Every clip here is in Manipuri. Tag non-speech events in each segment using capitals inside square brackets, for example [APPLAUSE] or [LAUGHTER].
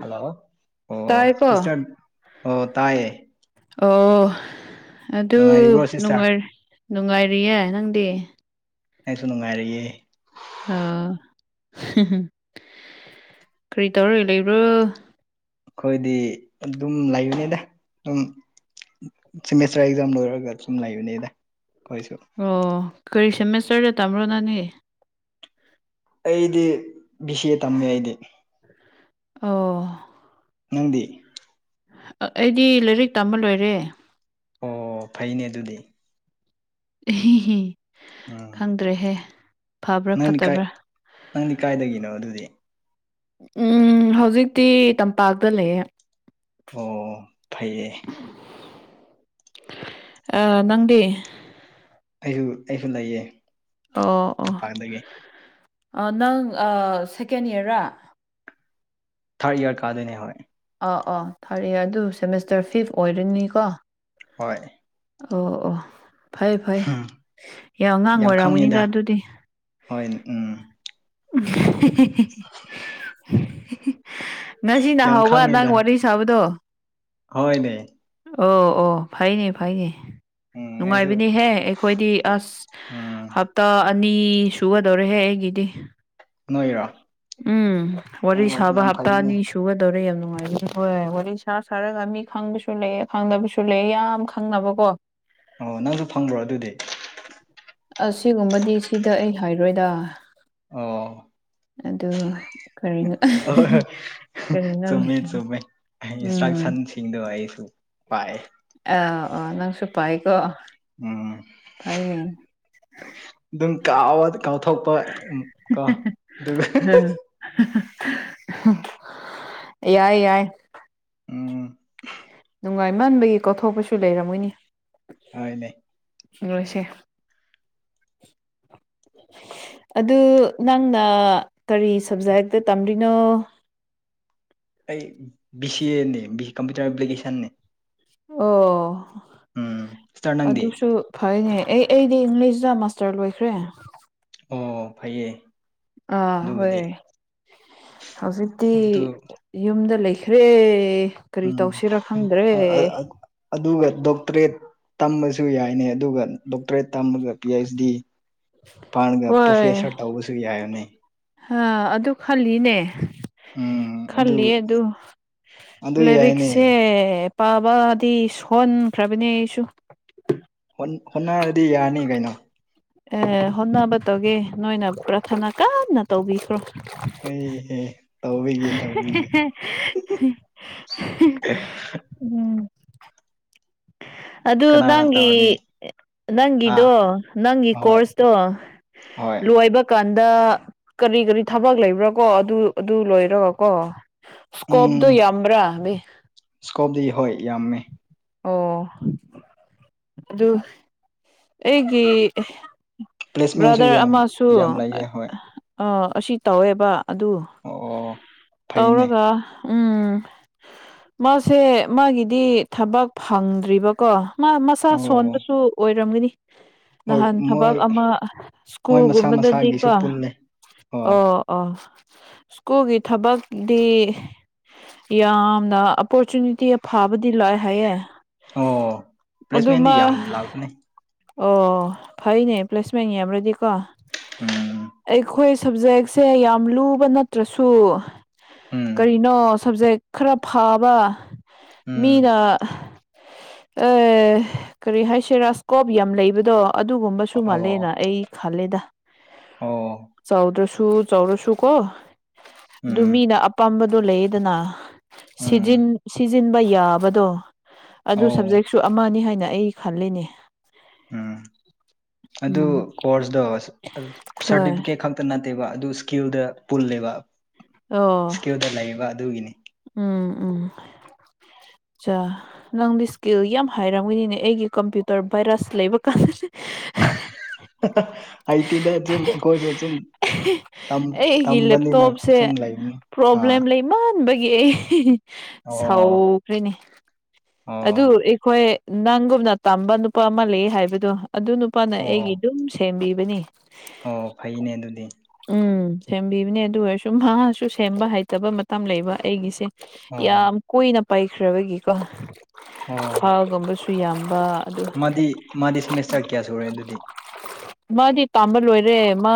ꯍꯜꯂꯣ ꯑꯣ ꯇꯥꯏꯀꯣ ꯁꯤꯁꯇꯔ ꯑꯣ ꯇꯥꯌꯦ ꯑꯣ ꯅꯨꯡꯉꯥꯏꯔꯤꯕ꯭ꯔꯣ ꯁꯤꯁꯇꯔ ꯑꯗꯨꯥꯏ ꯅꯨꯡꯉꯥꯏꯔꯤꯌꯦ ꯅꯪꯗꯤ ꯑꯩꯁꯨ ꯅꯨꯡꯉꯥꯏꯔꯤꯑꯦ ꯑꯥ ꯀꯔꯤ ꯇꯧꯔꯒ ꯂꯩꯕ꯭ꯔꯣ ꯑꯩꯈꯣꯏꯗꯤ ꯑꯗꯨꯝ ꯂꯩꯕꯅꯤꯗ ꯑꯗꯨꯝ ꯁꯤꯦꯃꯦꯁꯇꯔ ꯑꯦꯛꯖꯥꯝ ꯂꯣꯏꯔꯒ ꯁꯨꯝ ꯂꯩꯕꯅꯦꯗ ꯑꯩꯈꯣꯏꯁꯨ ꯑꯣ ꯀꯔꯤ ꯁꯦꯃꯦꯁꯇꯔꯗ ꯇꯝꯔꯣ ꯅꯪꯅꯦ ꯑꯩꯗꯤ ꯕꯤ ꯁꯤ ꯑꯦ ꯇꯝꯃꯦ ꯑꯩꯗꯤ ꯑꯣ ꯅꯪꯗꯤ ꯑꯩꯗꯤ ꯂꯥꯏꯔꯤꯛ ꯇꯝꯕ ꯂꯣꯏꯔꯦ ꯑꯣ ꯐꯩꯅꯦ ꯑꯗꯨꯗꯤ ꯏꯍꯤꯍꯤ ꯎꯝ ꯈꯪꯗ꯭ꯔꯦꯍꯦ ꯐꯕ꯭ꯔꯥ ꯅꯪꯗꯤ ꯀꯥꯏ ꯐꯠꯇꯕ꯭ꯔꯥ ꯅꯪꯗꯤ ꯀꯥꯏꯗꯒꯤꯅꯣ ꯑꯗꯨꯗꯤ ꯎꯝ ꯍꯧꯖꯤꯛꯇꯤ ꯇꯝꯄꯥꯛꯇ ꯂꯩꯌꯦ ꯑꯣ ꯐꯩꯌꯦ ꯑ ꯅꯪꯗꯤ ꯑꯩꯁꯨ ꯑꯩꯁꯨ ꯂꯩꯌꯦ ꯑꯣ ꯇꯝꯄꯥꯛꯗꯒꯤ ꯑꯣ ꯅꯪ ꯁꯦꯀꯦꯟ ꯏꯌ꯭ꯔꯔꯥ ꯊꯥꯔꯠ ꯏꯌꯥꯔ ꯀꯥꯗꯣꯏꯅꯦ ꯍꯣꯏ ꯑꯣ ꯑꯥ ꯊꯥꯔꯛꯑꯦ ꯑꯗꯨ ꯁꯦꯃꯦꯁꯇꯔ ꯐꯤꯐ ꯑꯣꯏꯔꯅꯤꯀꯣ ꯍꯣꯏ ꯑꯣ ꯑꯣ ꯐꯩ ꯐꯩ ꯌꯥꯝ ꯑꯉꯥꯡ ꯑꯣꯏꯔꯝꯒꯅꯤꯗ ꯑꯗꯨꯗꯤ ꯍꯣꯏ ꯎꯝ [UNINTELLIGIBLE] ꯉꯁꯤꯅ ꯌꯥꯝ ꯍꯧꯕ ꯁꯕꯗꯣ ꯍꫭꯏꯅꯦ ꯑꯣ ꯑꯣ ꯐꯩꯅꯦ ꯐꯩꯅꯦ ꯎꯝ ꯑꯩꯁꯨ ꯅꯨꯡꯉꯥꯏꯕꯅꯤꯍꯦ ꯑꯩꯈꯣꯏꯗꯤ ꯑꯁ ꯎꯝ ꯍꯞ ꯇꯥ ꯑꯅꯤ ꯁꯨꯒꯗꯧꯔꯦꯍꯦ ꯑꯩꯒꯤꯗꯤ ꯅꯣꯏꯔꯣ ꯎꯝ ꯋꯥꯔꯤ ꯑꯣ ꯁꯥꯕ ꯌꯥꯝ ꯍꯞꯇꯥ ꯑꯅꯤ ꯐꯩꯅꯦ ꯁꯨ ꯁꯨꯗꯒꯗꯧꯔꯦ ꯌꯥꯝ ꯅꯨꯡꯉꯥꯏꯕꯅꯦ ꯍꯣꯏ ꯋꯥꯔꯤ ꯁꯥ ꯁꯥꯔꯒ ꯃꯤ ꯈꯪꯕꯁꯨ ꯂꯩꯌꯦ ꯈꯪꯗꯕꯁꯨ ꯂꯩꯌꯦ ꯌꯥꯝ ꯈꯪꯅꯕꯀꯣ [UNINTELLIGIBLE] ꯑꯣ ꯅꯪꯁꯨ ꯐꯪꯕ꯭ꯔꯣ ꯑꯗꯨꯗꯤ ꯑꯁꯤꯒꯨꯝꯕꯗꯤ ꯁꯤꯗ ꯑꯩ ꯍꯥꯏꯔꯣꯏꯗ ꯑꯣ ꯑꯗꯨ ꯀꯔꯤꯅꯣ ꯑꯍꯣꯏ ꯍꯣꯏ ꯀꯔꯤꯅꯣ ꯂꯩ ꯎꯝ ꯗꯣ ꯑꯩꯁꯨ ꯄꯥꯏ ꯑꯣ ꯑꯥ ꯅꯪꯁꯨ ꯄꯥꯏꯀꯣ ꯎꯝ ꯐꯩꯅꯦ ꯑꯗꯨꯝ ꯀꯋꯥꯗ ꯀꯥꯎꯊꯣꯛꯄ ꯀꯣ ꯑꯗꯨꯒ ꯌꯥꯏ ꯌꯥꯏ ꯎꯝ ꯅꯨꯡꯒꯥꯏꯃꯟꯕꯒꯤ ꯀꯥꯎꯊꯣꯛꯄꯁꯨ ꯂꯩꯔꯝꯒꯅꯤ ꯍꯣꯏꯅꯦ ꯅꯣꯏꯁꯦ ꯑꯗꯨ ꯅꯪꯅ ꯀꯔꯤ ꯁꯕꯖꯦꯛꯇ ꯇꯝꯔꯤꯅꯣ ꯑꯩ ꯕꯤ ꯁꯤ ꯑꯦꯅꯦ ꯕꯤ ꯀꯝꯄ꯭ꯌꯨꯇꯔ ꯑꯦꯄ꯭ꯂꯤꯀꯦꯁꯟꯅꯦ ꯑꯣ ꯎꯝ ꯁꯤꯁꯇꯔ ꯅꯪꯗꯤ ꯑꯗꯨꯁꯨ ꯐꯩꯅꯦ ꯑꯩ ꯑꯩꯗꯤ ꯏꯪꯂꯤꯁꯇ ꯃꯥꯁꯇꯔ ꯂꯣꯏꯈ꯭ꯔꯦ ꯑꯣ ꯐꯩꯌꯦ ꯑꯥ ꯍꯣꯏ ꯑꯗꯨꯒꯤꯗꯤ ꯍꯧꯖꯤꯛꯇꯤ ꯑꯗꯨ ꯌꯨꯝꯗ ꯂꯩꯈ꯭ꯔꯦ ꯀꯔꯤ ꯎꯝ ꯇꯧꯁꯤꯔ ꯈꯪꯗ꯭ꯔꯦ ꯑꯗꯨꯒ ꯗꯣꯛꯇꯔꯦꯠ ꯇꯝꯕꯁꯨ ꯌꯥꯏꯅꯦ ꯑꯗꯨꯒ ꯗꯣꯛꯇꯔꯦꯠ ꯇꯝꯃꯒ ꯄꯤ ꯑꯩꯩꯆ ꯗꯤ ꯄꯥꯟꯒ ꯍꯣꯏ ꯄ꯭ꯔꯣꯐꯦꯁꯔ ꯇꯧꯕꯁꯨ ꯌꯥꯔꯅꯤ ꯑ ꯑꯗꯨ ꯈꯜꯂꯤꯅꯦ ꯈꯜꯂꯤꯌꯦ ꯑꯗꯨ ꯑꯗꯨ ꯌꯥꯏꯅꯦ ꯂꯥꯏꯔꯤꯛꯁꯦ ꯄꯥꯕꯗꯤ ꯁꯣꯟꯈ꯭ꯔꯕꯅꯦ ꯑꯩꯁꯨ ꯍꯣꯠꯅꯔꯗꯤ ꯌꯥꯔꯅꯤ ꯀꯩꯅꯣ ꯑꯦ ꯍꯣꯠꯅꯕ ꯇꯧꯒꯦ ꯅꯣꯏꯅ ꯄ꯭ꯔꯥꯊꯅꯥ ꯀꯟꯅ ꯇꯧꯕꯤꯈ꯭ꯔꯣ ꯑꯩꯍ ꯇꯧꯕꯤꯒꯦ ꯇꯧꯕꯤꯒꯦ ꯎꯝ ꯑꯗꯨ ꯀꯅꯥꯅ ꯅꯪꯒꯤ ꯇꯧꯔꯅꯤ ꯑꯥ ꯅꯪꯒꯤꯗꯣ ꯅꯪꯒꯤ ꯍꯣꯏ ꯀꯣꯔꯁꯇꯣ ꯍꯣꯏ ꯂꯣꯏꯕ ꯀꯥꯟꯗ ꯀꯔꯤ ꯀꯔꯤ ꯊꯕꯛ ꯂꯩꯕ꯭ꯔꯥ ꯀꯣ ꯑꯗꯨ ꯑꯗꯨ ꯂꯣꯏꯔꯒ ꯀꯣ ꯁꯀꯣꯞꯗꯨ ꯌꯥꯝꯕ꯭ꯔꯥꯕ ꯁ꯭ꯀꯣꯞꯗꯤ ꯍꯣꯏ ꯌꯥꯝꯃꯦ ꯑꯣ ꯑꯗꯨ ꯑꯩꯒꯤ ꯄ꯭ꯂꯦꯁꯃꯦꯟꯁꯨ ꯕ꯭ꯔꯗꯔ ꯌꯥꯝ ꯑꯃꯁꯨ ꯌꯥꯝ ꯂꯩꯌꯦ ꯍꯣꯏ ꯑꯥ ꯑꯁꯤ ꯇꯧꯋꯦꯕ ꯑꯗꯨ ꯑꯣ ꯐꯩꯅꯦ ꯇꯧꯔꯒ ꯎꯝ ꯃꯥꯁꯦ ꯃꯥꯒꯤꯗꯤ ꯊꯕꯛ ꯐꯪꯗ꯭ꯔꯤꯕꯀꯣ ꯃꯥ ꯃꯁꯥ ꯑꯣ ꯁꯣꯟꯕꯁꯨ ꯑꯣꯏꯔꯝꯒꯅꯤ ꯍꯣꯏ ꯅꯍꯥꯟ ꯊꯕꯛ ꯃꯣꯏ ꯑꯃ ꯃꯣꯏ ꯃꯁꯥ ꯃꯁꯥꯒꯤꯁꯨ ꯁ꯭ꯀꯨꯜꯒꯨꯝꯕꯗꯗꯤꯀꯣ ꯑꯣ ꯄꯨꯜꯂꯦ ꯑꯣ ꯑꯣ ꯁ꯭ꯀꯨꯜꯒꯤ ꯊꯕꯛꯗꯤ ꯌꯥꯝꯅ ꯑꯣꯞꯄꯣꯔꯆꯨꯅꯤꯇꯤ ꯐꯕꯗꯤ ꯂꯥꯛꯑꯦ ꯍꯥꯏꯌꯦꯦ ꯑꯣ ꯑꯗꯨꯃ ꯄ꯭ꯂꯦꯁꯃꯦꯟꯗꯤ ꯌꯥꯝ ꯂꯥꯛꯄꯅꯦ ꯑꯣ ꯐꯩꯅꯦ ꯄ꯭ꯂꯁ ꯁꯅꯤ ꯍꯥꯏꯕꯣꯗꯤꯣ ꯎꯝ ꯑꯩꯈꯣꯏ ꯁꯕꯖꯦꯛꯁꯦ ꯌꯥꯝ ꯂꯨꯕ ꯅꯠꯇ꯭ꯔꯁꯨ ꯎꯝ ꯀꯔꯤꯅꯣ ꯁꯕꯖꯦꯛ ꯈꯔ ꯐꯕ ꯎꯝ ꯃꯤꯅ ꯑꯦ ꯀꯔꯤ ꯍꯥꯏꯁꯦ ꯔꯥꯁꯀꯣꯞ ꯌꯥꯝ ꯂꯩꯕꯗꯣ ꯑꯗꯨꯒꯨꯝꯕꯁꯨ ꯃꯥꯜꯂꯦ ꯑꯣ ꯑꯩ ꯈꯂꯦꯗ ꯑꯣ ꯆꯥꯎꯗ꯭ꯔꯁꯨ ꯆꯥꯎꯔꯁꯨ ꯀꯣ ꯑꯗꯨ ꯎꯝ ꯃꯤꯅ ꯑꯄꯥꯝꯕꯗꯣ ꯂꯩꯌꯦꯗꯅ ꯎꯝ ꯁꯤꯖꯤꯟꯕ ꯌꯥꯕꯗꯣ ꯑꯗꯨ ꯑꯣ ꯁꯕꯖꯦꯛꯁꯨ ꯑꯃꯅꯤ ꯍꯥꯏꯅ ꯑꯩ ꯈꯜꯂꯤꯅꯦ ꯎꯝ ꯑꯗꯨ ꯎꯝ ꯀꯣꯔꯁꯇꯣ ꯍꯣꯏ ꯁꯥꯔꯇꯤꯐꯤꯀꯦꯠ ꯈꯛ ꯈꯇ ꯅꯠꯇꯦꯕ ꯑꯗꯨ ꯏꯁꯀꯤꯜꯗ ꯄꯨꯜꯂꯦꯕ ꯑꯣ ꯑꯗꯨꯗ ꯂꯩꯔꯤꯕꯕ ꯑꯗꯨꯒꯤꯅꯤ ꯎꯝ ꯎꯝ ꯑꯆꯥ ꯅꯪꯗꯤ ꯏꯁꯀꯤꯜ ꯌꯥꯝ ꯍꯥꯏꯔꯝꯒꯅꯤꯅꯦ ꯑꯩꯒꯤ ꯀꯝꯄ꯭ꯌꯨꯇꯔ ꯚꯥꯏꯔꯁ ꯂꯩꯕ ꯀꯥꯟꯁꯤ ꯑ ꯇꯗ ꯆꯨꯝ ꯀꯣꯏꯁꯨ ꯆꯨꯝ ꯑꯩꯒꯤ ꯇꯝꯕꯅꯤꯅꯥ ꯀ ꯆꯨꯝ ꯂ ꯑ ꯏꯃꯥꯟꯕꯒꯤ ꯑꯩ ꯑꯣ ꯁꯥꯎꯈ꯭ꯔꯦꯅꯦ ꯑꯣ ꯑꯗꯨ ꯑꯩꯈꯣꯏ ꯅꯪꯒꯨꯝꯅ ꯇꯝꯕ ꯅꯨꯄꯥ ꯑꯃ ꯂꯩ ꯍꯥꯏꯕꯗꯣ ꯑꯗꯨ ꯅꯨꯄꯥꯅ ꯑꯣ ꯑꯩꯒꯤ ꯑꯗꯨꯝ ꯁꯦꯝꯕꯤꯕꯅꯤ ꯑꯣ ꯐꯩꯅꯦ ꯑꯗꯨꯗꯤ ꯎꯝ ꯁꯦꯝꯕꯤꯕꯅꯦ ꯑꯗꯨ ꯑꯣꯏꯔꯁꯨ ꯃꯍꯥꯛꯁꯨ ꯁꯦꯝꯕ ꯍꯩꯇꯕ ꯃꯇꯝ ꯂꯩꯕ ꯑꯩꯒꯤꯁꯦ ꯑꯣ ꯌꯥꯝ ꯀꯨꯏꯅ ꯄꯥꯏꯈ꯭ꯔꯕꯒꯤꯀꯣ ꯑꯣ ꯍꯥꯥꯒꯨꯝꯕꯁꯨ ꯌꯥꯝꯕ ꯑꯗꯨ ꯃꯥꯗꯤ ꯃꯥꯗꯤ ꯁꯦꯃꯦꯁꯇꯔ ꯀꯌꯥ ꯁꯨꯔꯦ ꯑꯗꯨꯗꯤ ꯃꯥꯗꯤ ꯇꯥꯝꯕ ꯂꯣꯏꯔꯦ ꯃꯥ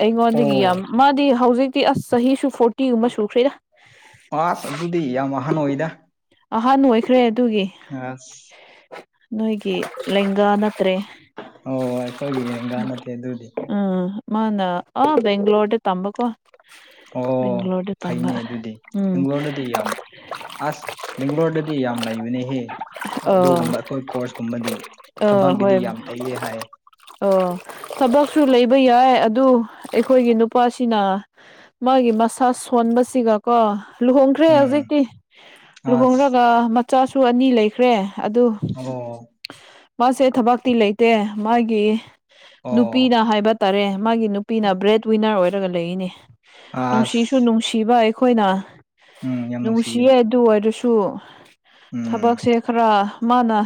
ꯑꯩꯉꯣꯟꯗꯒꯤ ꯑꯣ ꯌꯥꯝ ꯃꯥꯗꯤ ꯍꯧꯖꯤꯛꯇꯤ ꯑꯁ ꯆꯍꯤꯁꯨ ꯐꯣꯔꯇꯤꯒꯨꯝꯕ ꯁꯨꯈ꯭ꯔꯤꯗ ꯑꯁ ꯑꯗꯨꯗꯤ ꯌꯥꯝ ꯋꯥꯍꯥꯟ ꯑꯣꯏꯗ ꯑꯍꯥꯟꯕ ꯑꯣꯏꯈ꯭ꯔꯦ ꯑꯗꯨꯒꯤ ꯑꯁ ꯑ ꯅꯣꯏꯒꯤ ꯂꯦꯡꯒꯥ ꯅꯠꯇ꯭ꯔꯦ ꯑꯣ ꯑꯩꯈꯣꯏꯒꯤ ꯂꯦꯡꯒꯥ ꯅꯠꯇꯦ ꯑꯗꯨꯗꯤ ꯎꯝ ꯃꯥꯅ ꯑ ꯕꯦꯡ꯭ꯂꯣꯔꯗ ꯇꯝꯕꯀꯣ ꯑꯣ ꯕꯦꯡꯒ꯭ꯂꯣꯔꯗ ꯇꯝꯕ ꯐꯩꯅꯦ ꯑꯗꯨꯗꯤ ꯎꯝ ꯕꯦꯡꯒ꯭ꯂꯣꯔꯗꯗꯤ ꯌꯥꯝ ꯑꯁ ꯕꯦꯡꯒ꯭ꯂꯣꯔꯗꯗꯤ ꯌꯥꯝ ꯂꯩꯕꯅꯦꯍꯦ ꯑꯥ ꯑꯗꯨꯒꯨꯝꯕ ꯑꯩꯈꯣꯏ ꯀꯣꯔꯁꯀꯨꯝꯕꯗꯤ ꯊꯕꯛꯒꯤꯗꯤ ꯌꯥꯝ ꯂꯩꯌꯦ ꯍꯥꯏ ꯑꯣ ꯊꯕꯛꯁꯨ ꯂꯩꯕ ꯌꯥꯏ ꯑꯗꯨ ꯑꯩꯈꯣꯏꯒꯤ ꯅꯨꯄꯥꯁꯤꯅ ꯃꯥꯒꯤ ꯃꯁꯥ ꯁꯣꯟꯕꯁꯤꯒꯀꯣ ꯂꯨꯍꯣꯡꯈ꯭ꯔꯦ ꯎꯝ ꯍꯧꯖꯤꯛꯇꯤ ꯑꯁ ꯂꯨꯍꯣꯡꯔꯒ ꯃꯆꯥꯁꯨ ꯑꯅꯤ ꯂꯩꯈ꯭ꯔꯦ ꯑꯗꯨ ꯑꯣ ꯃꯥꯁꯦ ꯊꯕꯛꯇꯤ ꯂꯩꯇꯦ ꯃꯥꯒꯤ ꯑꯣ ꯅꯨꯄꯤꯅ ꯍꯥꯏꯕ ꯇꯔꯦ ꯃꯥꯒꯤ ꯅꯨꯄꯤꯅ ꯕ꯭ꯔꯦꯗ ꯋꯤꯟꯅꯔ ꯑꯣꯏꯔꯒ ꯂꯩꯌ‌ꯦꯅꯦ ꯑꯁ ꯅꯨꯡꯁꯤꯁꯨ ꯅꯨꯡꯁꯤꯕ ꯑꯩꯈꯣꯏꯅ ꯎꯝ ꯌꯥꯝ ꯅꯨꯡꯁꯤꯌꯦ ꯑꯗꯨ ꯑꯣꯏꯔꯁꯨ ꯎꯝ ꯊꯕꯛꯁꯦ ꯈꯔ ꯃꯥꯅ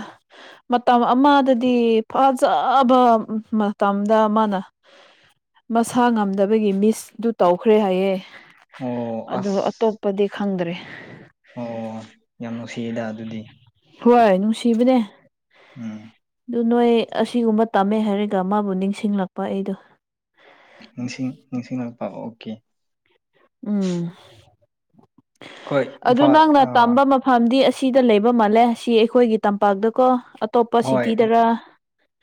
ꯃꯇꯝ ꯑꯃꯗꯗꯤ ꯐꯖꯕ ꯃꯇꯝꯗ ꯃꯥꯅ ꯃꯁꯥ ꯉꯝꯗꯕꯒꯤ ꯃꯤꯁ ꯑꯗꯨ ꯇꯧꯈ꯭ꯔꯦ ꯍꯥꯏꯌꯦ ꯑꯣ ꯑꯗꯨ ꯑꯁ ꯑꯇꯣꯞ ꯄꯗꯤ ꯈꯪꯗ꯭ꯔꯦ ꯑꯣ ꯌꯥꯝ ꯅꯨꯡꯁꯤꯌꯦꯗ ꯑꯗꯨꯗꯤ ꯍꯣꯏ ꯅꯨꯡꯁꯤꯕꯅꯦ ꯎꯝ ꯑꯗꯨ ꯅꯣꯏ ꯑꯁꯤꯒꯨꯝꯕ ꯇꯝꯃꯦ ꯍꯥꯏꯔꯒ ꯃꯥꯕꯨ ꯅꯤꯡꯁꯤꯡꯂꯛꯄ ꯑꯩꯗꯣ ꯅꯤꯡꯁꯤꯡ ꯅꯤꯡꯁꯤꯡꯂꯛꯄ ꯑꯣꯀꯦ ꯎꯝ ꯍꯣꯏ ꯑꯗꯨ ꯏꯝꯐꯥꯜ ꯅꯪꯅ ꯑꯥ ꯇꯝꯕ ꯃꯐꯝ ꯐꯝꯗꯤ ꯑꯁꯤꯗ ꯂꯩꯕ ꯃꯥꯜꯂꯦ ꯁꯤ ꯑꯩꯈꯣꯏꯒꯤ ꯇꯝꯄꯥꯛꯇꯀꯣ ꯑꯇꯣꯞꯄ ꯍꯣꯏ ꯁꯤꯇꯤꯗꯔ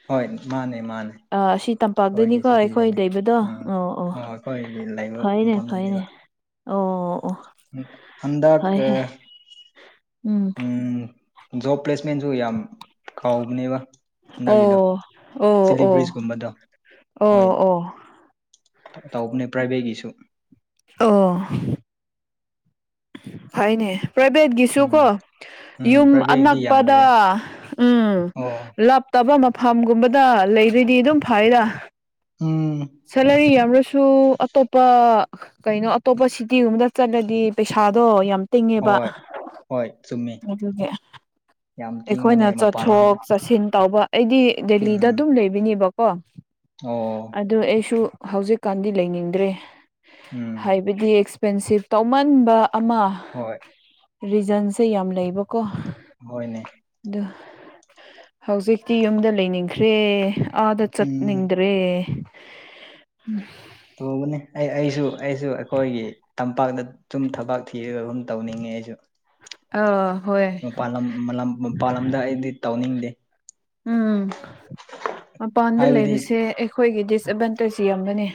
ꯍꯣꯏ ꯃꯥꯅꯦ ꯃꯥꯅꯦ ꯑꯥ ꯑꯁꯤ ꯑꯩꯈꯣꯏꯒꯤ ꯇꯝꯄꯥꯛꯇꯅꯤꯀꯣ ꯑꯩꯈꯣꯏ ꯁꯤꯇꯤꯗꯅꯤ ꯂꯩꯕꯗꯣ ꯎꯝ ꯑꯣ ꯑꯣ ꯑꯩꯈꯣꯏꯒꯤ ꯂꯩꯕ ꯐꯩꯅꯦ ꯐꯩꯅꯦ ꯃꯐꯝꯗꯨꯅꯦꯕ ꯑꯣ ꯑꯣ ꯍꯟꯗꯛ ꯀ ꯐꯩꯍꯦ ꯎꯝ ꯎꯝ ꯖꯣꯕ ꯄ꯭ꯂꯁꯃꯦꯟꯁꯨ ꯌꯥꯝ ꯀꯥꯎꯕꯅꯦꯕ ꯑꯣ ꯍꯟꯗꯛꯀꯤꯗꯣ ꯑꯣ ꯆꯤꯂꯤ ꯑꯣ ꯕ꯭ꯔꯤꯖꯀꯨꯝꯕꯗꯣ ꯑꯣ ꯍꯣꯏ ꯑꯣ ꯇꯧꯕꯅꯦ ꯄ꯭ꯔꯥꯏꯚꯦꯠꯀꯤꯁꯨ ꯑꯣ ꯐꯩꯅꯦ ꯄ꯭ꯔꯥꯏꯚꯦꯠꯀꯤꯁꯨ ꯎꯝ ꯀꯣ ꯎꯝ ꯌꯨꯝ ꯄ꯭ꯔꯥꯏꯚꯦꯠꯀꯤꯗꯤ ꯌꯥꯝ ꯑꯅꯛꯄꯗ ꯂꯩꯌꯦ ꯎꯝ ꯑꯣ ꯂꯞ ꯇꯕ ꯃꯐꯝꯒꯨꯝꯕꯗ ꯂꯩꯔꯗꯤ ꯑꯗꯨꯝ ꯐꯩꯌ‌ꯦꯗ ꯎꯝ ꯁꯦꯜꯂꯔꯤ ꯌꯥꯝꯔꯁꯨ ꯑꯇꯣꯞꯄ ꯀꯩꯅꯣ ꯑꯇꯣꯞꯄ ꯁꯤꯇꯤꯒꯨꯝꯕꯗ ꯆꯠꯂꯗꯤ ꯄꯩꯁꯥꯗꯣ ꯌꯥꯝ ꯇꯤꯡꯉꯦꯕ ꯍꯣꯏ ꯍꯣꯏ ꯆꯨꯝꯃꯤ ꯑꯗꯨꯒꯤ ꯌꯥꯝ ꯇꯤꯡꯕꯅꯦ ꯑꯩꯈꯣꯏꯅ ꯃꯄꯥꯟ ꯂꯝ ꯆꯠꯊꯣꯛ ꯆꯠꯁꯤꯟ ꯇꯧꯕ ꯑꯩꯗꯤ ꯗꯦꯜꯂꯤꯗ ꯎꯝ ꯑꯗꯨꯝ ꯂꯩꯕꯅꯦꯕꯀꯣ ꯑꯣ ꯑꯗ‌ꯣ ꯑꯩꯁꯨ ꯍꯧꯖꯤꯛꯀꯥꯟꯗꯤ ꯂꯩꯅꯤꯡꯗ꯭ꯔꯦ ꯎꯝ ꯍꯥꯏꯕꯗꯤ ꯑꯦꯛꯁꯄꯦꯟꯁꯤꯞ ꯇꯧꯃꯟꯕ ꯑꯃ ꯍꯣꯏ ꯔꯤꯖꯟꯁꯦ ꯌꯥꯝ ꯂꯩꯕꯀꯣ ꯍꯣꯏꯅꯦ ꯗꯨ ꯍꯧꯖꯤꯛꯇꯤ ꯌꯨꯝꯗ ꯂꯩꯅꯤꯡꯈ꯭ꯔꯦ ꯑꯥꯗ ꯎꯝ ꯆꯠꯅꯤꯡꯗ꯭ꯔꯦ ꯇꯧꯕꯅꯤ ꯑꯩ ꯑꯩꯁꯨ ꯑꯩꯁꯨ ꯑꯩꯈꯣꯏꯒꯤ ꯇꯝꯄꯥꯛꯇ ꯁꯨꯝ ꯊꯕꯥꯛ ꯊꯤꯔꯒ ꯑꯗꯨꯨꯝ ꯇꯧꯅꯤꯡꯉꯦ ꯑꯩꯁꯨ ꯑꯧ ꯍꯣꯏ ꯃꯄꯥꯥꯟ ꯂꯝ ꯃꯄꯥꯟ ꯂꯝꯗ ꯑꯩꯗꯤ ꯇꯧꯅꯤꯡꯗꯦ ꯎꯝ ꯃꯄꯥꯟꯗ ꯍꯥꯏꯕꯗꯤ ꯂꯩꯕꯁꯦ ꯑꯩꯈꯣꯏꯒꯤ ꯗꯤꯁꯑꯠꯚꯟꯇꯦꯖ ꯌꯥꯝꯕꯅꯦ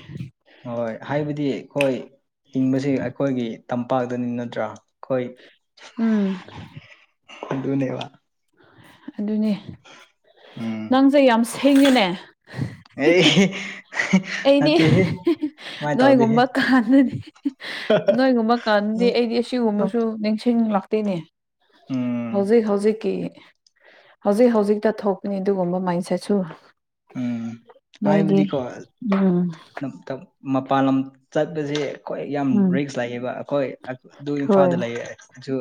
ꯍꯣꯏ ꯍꯥꯏꯕꯗꯤ ꯑꯩꯈꯣꯏ ꯍꯤꯡꯕꯁ‌ꯦ ꯑꯩꯈꯣꯏꯒꯤ ꯇꯝꯄꯥꯛꯇꯅꯤ ꯅꯠꯇ꯭ꯔꯥ ꯎꯝ ꯈ ꯑꯗꯨꯅꯦꯕ ꯑꯗꯨꯅꯦ ꯎꯝ ꯅꯪꯁꯦ ꯌꯥꯝ ꯁꯦꯡꯉꯦꯅꯦ ꯑꯩ ꯑꯩꯗꯤ ꯇꯧꯗꯦꯍꯦ ꯅꯣꯏꯒꯨꯝꯕ ꯀꯥꯟꯗꯨꯗꯤ ꯅꯣꯏꯒꯨꯝꯕ ꯀꯥꯟꯗꯤ ꯑꯩꯗꯤ ꯑꯁꯤꯒꯨꯝꯕꯁꯨ ꯅꯤꯡꯁꯤꯡ ꯂꯥꯛꯇꯣꯏꯅꯦ ꯎꯝ ꯍꯧꯖꯤꯛ ꯍꯧꯖꯤꯛꯀꯤ ꯍꯧꯖꯤꯛ ꯍꯧꯖꯤꯛꯇ ꯊꯣꯛꯄꯅꯤ ꯑꯗꯨꯒꯨꯝꯕ ꯃꯥꯏꯁꯦꯠꯁꯨ ꯎꯝ ꯍꯥꯏꯕꯗꯤꯀꯣ ꯎꯝ ꯃꯄꯥꯟ ꯂꯝ ꯆꯠꯄꯁꯦ ꯑꯩꯈꯣꯏ ꯌꯥꯝ ꯎꯝ ꯔꯤꯛꯁ ꯂꯥꯛꯑꯦꯕ ꯑꯩꯈꯣꯏ ꯑꯗꯨ ꯍꯣꯏ ꯏꯝꯐꯥꯜꯗ ꯂꯩꯌꯦ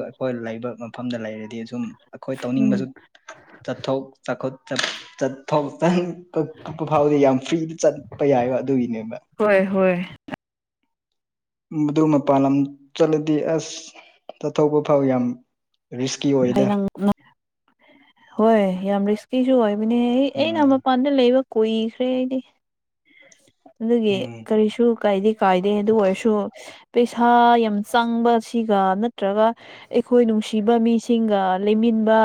ꯑꯩꯈꯣꯏ ꯂꯩꯕ ꯃꯐꯝꯗ ꯂꯩꯔꯗꯤ ꯁꯨꯝ ꯑꯩꯈꯣꯏ ꯎꯝ ꯇꯧꯅꯤꯡꯕꯁꯨ ꯆꯠꯊꯣꯛ ꯆꯈ ꯆ ꯆꯠꯊꯣꯛ ꯆ ꯀ ꯀꯛꯄ ꯐꯥꯎꯗꯤ ꯌꯥꯝ ꯐ꯭ꯔꯤꯗ ꯆꯠꯄ ꯌꯥꯏꯕ ꯑꯗꯨꯒꯤꯅꯦꯕ ꯍꯣꯏ ꯍꯣꯏ ꯃꯗꯨ ꯃꯄꯥꯟ ꯂꯝ ꯆꯠꯂꯗꯤ ꯑꯁ ꯇꯠꯊꯧꯕ ꯐꯥꯎ ꯌꯥꯝ ꯔꯤꯁꯀꯤ ꯑꯣꯏꯗ [UNINTELLIGIBLE] ꯍꯣꯏ ꯌꯥꯝ ꯔꯤꯁ ꯀꯁꯨ ꯑꯣꯏꯕꯅꯦ ꯑꯩ ꯎꯝ ꯑꯩꯅ ꯃꯄꯥꯟꯗ ꯂꯩꯕ ꯀꯨꯏꯈ꯭ꯔꯦ ꯑꯩꯗꯤ ꯑꯗꯨꯒꯤ ꯎꯝ ꯀꯔꯤꯁꯨ ꯀꯥꯏꯗꯤ ꯀꯥꯏꯗꯦ ꯑꯗꯨ ꯑꯣꯏꯔꯁꯨ ꯫ ꯄꯩꯁꯥ ꯌꯥꯝ ꯆꯪꯕ ꯁꯤꯒ ꯅꯠꯇ꯭ꯔꯒ ꯑꯩꯈꯣꯏ ꯅꯨꯡꯁꯤꯕ ꯃꯤꯁꯤꯡꯒ ꯂꯩꯃꯤꯟꯕ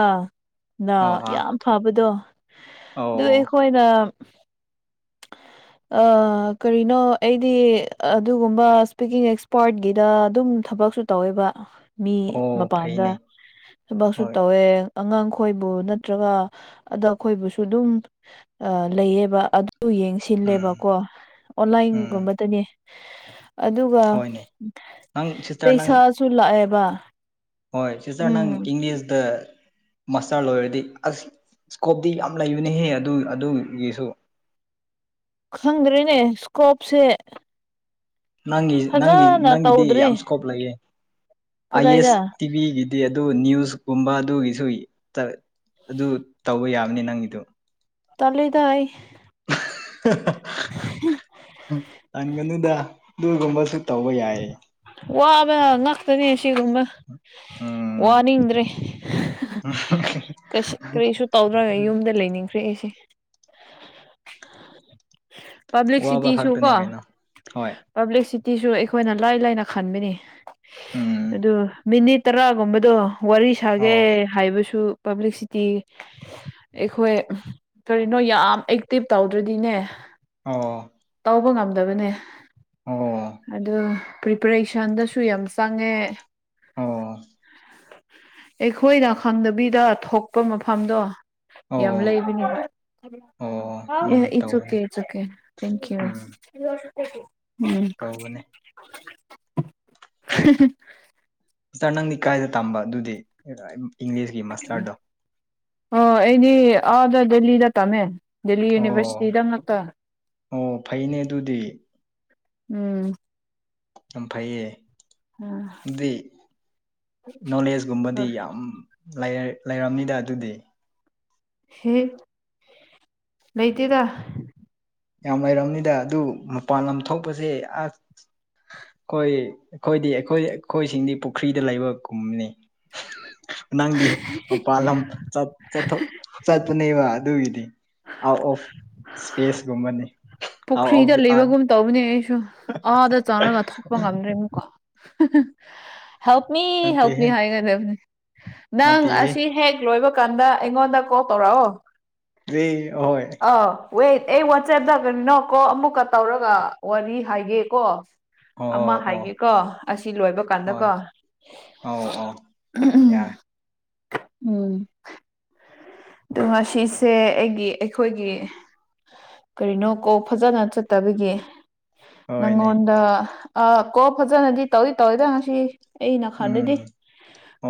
ꯅ ꯑꯣ ꯑꯥ ꯌꯥꯝ ꯐꯕꯗꯣ ꯑꯣ ꯑꯗꯨ ꯑꯩꯈꯣꯏꯅ ꯑꯥ ꯀꯔꯤꯅꯣ ꯑꯩꯗꯤ ꯑꯗꯨꯒꯨꯝꯕ ꯁ꯭ꯄꯤꯀꯤꯡ ꯑꯦꯛꯁꯄꯥꯔꯠꯀꯤꯗ ꯑꯗꯨꯝ ꯊꯕꯛꯁꯨꯨ ꯇꯧꯋꯦꯕ ꯃꯤ ꯑꯣ ꯃꯄꯥꯟꯗ ꯐꯩꯅꯦ ꯊꯕꯛꯁꯨ ꯍꯣꯏ ꯇꯧꯋꯦ ꯑꯉꯥꯡ ꯈꯣꯏꯕꯨ ꯅꯠꯇ꯭ꯔꯒ ꯑꯦꯗꯜ ꯈꯣꯏꯕꯨꯁꯨ ꯑꯗꯨꯝ ꯂꯩꯌꯦꯕ꯫ ꯑꯗꯨ ꯎꯝ ꯌꯦꯡꯁꯤꯜꯂꯦꯕꯀꯣ ꯎꯝ ꯑꯣꯟꯂꯥꯏꯟꯒꯨꯝꯕꯗꯅꯦ ꯫ ꯑꯗꯨꯒ ꯍꯣꯏꯅꯦ ꯅꯪ ꯁꯤꯁꯇꯔ ꯅꯪ ꯄꯩꯁꯥꯁꯨ ꯂꯥꯛꯑꯦꯕ ꯍꯣꯏ ꯁꯤꯁꯇꯔ ꯅꯪ ꯎꯝ ꯏꯪꯂꯤꯁꯗ ꯃꯥꯁꯇꯔ ꯂꯣꯏꯔꯗꯤ ꯑꯁ ꯏꯁꯀꯣꯞꯇꯤ ꯌꯥꯝ ꯂꯩꯕꯅꯤꯍꯦ ꯑꯗꯨ ꯑꯗꯨꯒꯤꯁꯨ ꯈꯪꯗ꯭ꯔꯤꯅꯦ ꯏꯁꯀꯣꯞꯁꯦ꯫ ꯅꯪꯒꯤ ꯅꯪꯒꯤ ꯐꯖꯅ ꯅꯪꯒꯤꯗꯤ ꯇꯧꯗ꯭ꯔꯦ ꯌꯥꯝ ꯏꯁꯀꯣꯞ ꯂꯩꯌꯦ ꯑꯥꯏ ꯑꯦꯁ ꯀꯗꯥꯏꯗ ꯇꯤꯚꯤꯒꯤꯗꯤ ꯑꯗꯨ ꯅꯅꯤꯌꯨꯁꯀꯨꯝꯕ ꯑꯗꯨꯒꯤꯁꯨ ꯇꯥ ꯑꯗꯨ ꯇꯧꯕ ꯌꯥꯕꯅꯤ ꯅꯪꯒꯤꯗꯣ ꯇꯜꯂꯤꯗ ꯑꯩ ꯇꯟꯒꯅꯨꯗꯥ ꯑꯗꯨꯒꯨꯝꯕꯁꯨ ꯇꯧꯕ ꯌꯥꯏꯌꯦ ꯫ ꯋꯥꯕ ꯅꯅꯥꯥꯛꯇꯅꯤ ꯁꯤꯒꯨꯝꯕ ꯫ ꯎꯝ ꯋꯥꯅꯤꯡꯗ꯭ꯔꯦ ꯀꯔꯤꯁꯨ ꯇꯧꯗ꯭ꯔꯒ ꯌꯨꯝꯗ ꯂꯩꯅꯤꯡꯈ꯭ꯔꯦ ꯑꯩꯁꯦ ꯫ ꯄꯕ꯭ꯂꯤꯛ ꯋꯥꯕ ꯁꯤꯇꯤꯁꯨ ꯀꯣ ꯈꯛꯇꯅꯦ ꯀꯩꯅꯣ ꯍꯣꯏ ꯄꯥꯕ꯭ꯂꯤꯁꯤꯇꯤꯁꯨ ꯑꯩꯈꯣꯏꯅ ꯂꯥꯏ ꯂꯥꯏꯅ ꯈꯟꯕꯅꯤ ꯎꯝ ꯑꯗꯨ ꯃꯤꯅꯤꯠ ꯇꯔꯥꯒꯨꯝꯕꯗꯣ ꯋꯥꯔꯤ ꯁꯥꯒꯦ ꯑꯣ ꯍꯥꯏꯕꯁꯨ ꯄꯕ꯭ꯂꯤꯁꯤꯇꯤ ꯑꯩꯈꯣꯏ ꯀꯔꯤꯅꯣ ꯌꯥꯝ ꯑꯦꯛꯇꯤꯚ ꯇꯧꯗ꯭ꯔꯗꯤꯅꯦ ꯑꯣ ꯇꯧꯕ ꯉꯝꯗꯕꯅꯦ ꯑꯣ ꯑꯗꯣ ꯄ꯭ꯔꯦꯁꯟꯗꯁꯨ ꯌꯥꯝ ꯆꯪꯉꯦ ꯫ ꯑꯣ ꯑꯩꯈꯣꯏꯅ ꯈꯪꯗꯕꯤꯗ ꯊꯣꯛꯄ ꯃꯐꯝꯗꯣ ꯫ ꯌꯥꯝ ꯑꯣ ꯂꯩꯕꯅꯤ ꯫ ꯑꯣ ꯑꯦ ꯎꯝ ꯏꯠꯆ ꯑꯣꯀꯦ ꯇꯧꯕꯅꯦ ꯏꯠꯆ ꯑꯣꯀꯦ ꯊꯦꯡꯀꯌꯨ ꯎꯝ ꯫ ꯎꯝ ꯀꯧꯕꯅꯦ ꯇꯔ ꯅꯪꯗꯤ ꯀꯥꯏꯗ ꯇꯝꯕ ꯑꯗꯨꯗꯤ ꯏꯪꯂꯤꯁꯀꯤ ꯃꯥꯁꯇꯔꯗꯣ ꯑꯣ ꯑꯩꯗꯤ ꯑꯥꯗ ꯗꯦꯜꯂꯤꯗ ꯇꯝꯃꯦ꯫ ꯗꯦꯜꯂꯤ ꯑꯣ ꯌꯨꯅꯤꯚꯔꯁꯤꯇꯤꯗꯪ ꯅꯛꯇꯣ ꯑꯣ ꯐꯩꯅꯦ ꯑꯗꯨꯗꯤ ꯎꯝ ꯌꯥꯝ ꯐꯩꯌꯦ ꯗꯤ ꯅꯣꯂꯦꯖꯀꯨꯝꯕꯗꯤ ꯌꯥꯝ ꯂꯩꯔꯝꯅꯤꯗ ꯑꯗꯨꯗꯤ ꯍꯦ ꯂꯩꯇꯗ ꯌꯥꯝ ꯍꯩꯔꯝꯅꯤꯗ ꯑꯗꯨ ꯃꯄꯥꯟ ꯂꯝ ꯊꯣꯛꯄꯁꯦ ꯑꯁ ꯑꯩꯈꯣꯏ ꯑꯩꯈꯣꯏꯗꯤ ꯑꯩꯈꯣꯏ ꯑꯩꯈꯣꯏꯁꯤꯡꯗꯤ ꯄꯨꯈ꯭ꯔꯤꯗ ꯂꯩꯕꯒꯨꯝꯅꯤ ꯫ ꯅꯪꯗꯤ ꯃꯄꯥꯜꯂꯝ ꯆꯠ ꯆꯊꯠ ꯆꯠꯄꯅꯦꯕ ꯑꯗꯨꯒꯤꯗꯤ ꯑꯥꯎꯠ ꯑꯣꯐ ꯏꯁꯄꯦꯁ ꯫ ꯆꯨꯝꯕꯅꯤ ꯄꯨꯈ꯭ꯔꯤꯗ ꯂꯩꯕꯒꯨꯝ ꯇꯧꯕꯅꯦ ꯑꯩꯁꯨ ꯑꯥꯗ ꯆꯥꯔꯒ ꯊꯣꯛꯄ ꯉꯝꯗ꯭ꯔꯦ ꯑꯃꯨꯛꯀ ꯫ [UNINTELLIGIBLE] ꯍꯦꯜꯃꯤ ꯍꯦꯜꯃꯤ ꯅꯠꯇꯦꯍꯦ ꯍꯥꯏꯔꯒ ꯂꯩꯅꯦ ꯅꯪ ꯅꯠꯇꯦꯍꯦ ꯑꯁꯤ ꯍꯦꯛ ꯂꯣꯏꯕ ꯫ ꯀꯥꯟꯗ ꯏꯉꯣꯟꯗ ꯀꯣꯜ ꯇꯧꯔꯛꯑꯣ ꯫ [UNINTELLIGIBLE] ꯍꯣꯏ ꯑꯥ ꯋꯦꯠ ꯑꯩ ꯋꯥꯆꯦꯞꯇ ꯀꯩꯅꯣ ꯀꯣꯜ ꯑꯃꯨꯛꯀ ꯇꯧꯔꯒ ꯋꯥꯔꯤ ꯍꯥꯏꯒꯦꯀꯣ ꯫ ꯑꯃ ꯑꯣ ꯑꯣ ꯍꯥꯏꯒꯦꯀꯣ ꯑꯁꯤ ꯂꯣꯏꯕ ꯍꯣꯏ ꯀꯥꯟꯗꯀꯣ ꯑꯧ ꯑꯧ ꯌꯥꯔꯦ ꯎꯝ ꯑꯗꯨ ꯉꯁꯤꯁꯦ ꯑꯩꯒꯤ ꯑꯩꯈꯣꯏꯒꯤ ꯀꯔꯤꯅꯣ ꯀꯣ ꯐꯖꯅ ꯆꯠꯇꯕꯒꯤ ꯫ ꯍꯣꯏꯅꯦ ꯅꯪꯉꯣꯟꯗ ꯑ ꯀꯣꯜ ꯐꯖꯅꯗꯤ ꯇꯧꯗꯤ ꯇꯧꯋꯤꯗ ꯉꯥꯁꯤ ꯫ ꯑꯩꯅ ꯈꯟꯗꯗꯤ ꯎꯝ